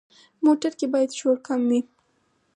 موټر کې باید شور کم وي.